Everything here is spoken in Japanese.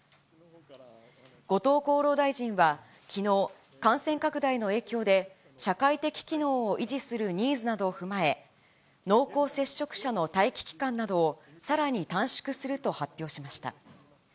後藤厚労大臣はきのう、感染拡大の影響で、社会的機能を維持するニーズなどを踏まえ、濃厚接触者の待機期間などを、さらに短縮すると発表しました。